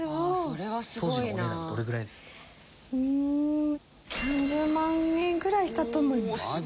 うーん３０万円ぐらいしたと思います。